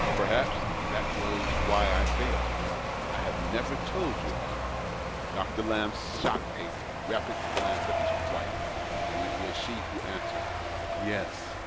Perhaps that was why I failed. I have never told you about it." Dr. Lamb shot a rapid glance at his wife, and it was she who answered. "Yes?